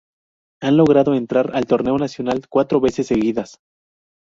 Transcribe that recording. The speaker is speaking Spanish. Han logrado entrar al torneo nacional cuatro veces seguidas.